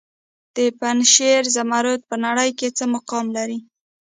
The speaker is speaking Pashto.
د پنجشیر زمرد په نړۍ کې څه مقام لري؟